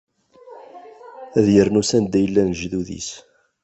Ad irnu s anda i llan lejdud-is.